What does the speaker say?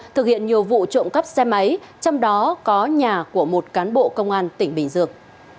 thực hiện nhiều vụ trộm cắp xe máy trong đó có nhà của một cán bộ công an tỉnh bình dương